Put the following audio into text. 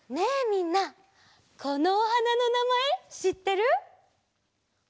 みんなこのおはなのなまえしってる？